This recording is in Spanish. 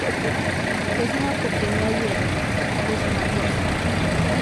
Es una pequeña hierba, rizomatosa.